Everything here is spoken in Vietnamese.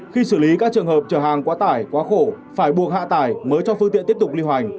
khi xử lý các trường hợp trở hàng quá tải quá khổ phải buộc hạ tải mới cho phương tiện tiếp tục lưu hành